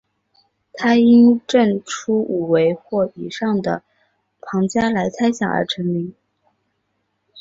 他因证出五维或以上的庞加莱猜想而成名。